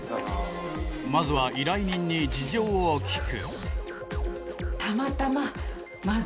まずは依頼人に事情を聴く